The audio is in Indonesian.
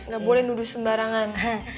gak boleh nuduh sembarangan